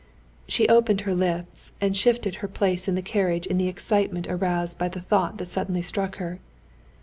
she opened her lips, and shifted her place in the carriage in the excitement, aroused by the thought that suddenly struck her.